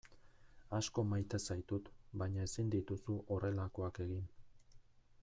Asko maite zaitut baina ezin dituzu horrelakoak egin.